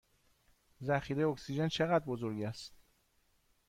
ذخیره اکسیژن چه قدر بزرگ است؟